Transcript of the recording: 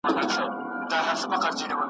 په پرون پسي چي نن راغی سبا سته `